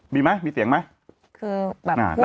มีไหมมีเสียงไหม